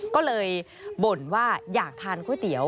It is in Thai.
ก็เลยบ่นว่าอยากทานก๋วยเตี๋ยว